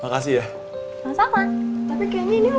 tapi kayaknya ini udah mendingan deh